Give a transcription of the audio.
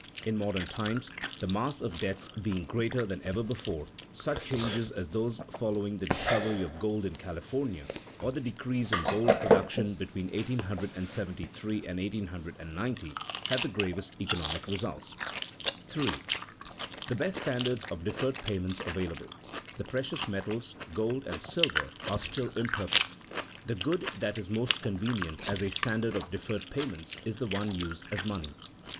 In modern times, the mass of debts being greater than ever before, such changes as those following the discovery of gold in California or the decrease in gold production between 1873 and 1890 have the gravest economic results. [Sidenote: Merits of gold and of silver as standards] 3. The best standards of deferred payments available the precious metals, gold and silver are still imperfect. The good that is most convenient as a standard of deferred payments is the one used as money.